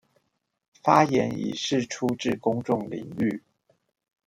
發言以釋出至公眾領域